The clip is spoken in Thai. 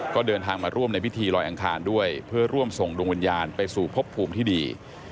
ก็เดินทางมาร่วมในพิธีลอยอังคารด้วยเพื่อร่วมส่งดวงวิญญาณไปสู่พบภูมิที่ดี